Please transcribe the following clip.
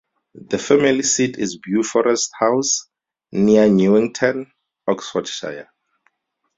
The family seat is Beauforest House, near Newington, Oxfordshire.